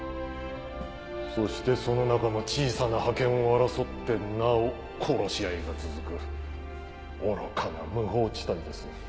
そしてその中の小さな覇権を争ってなお殺し合いが続く愚かな無法地帯です。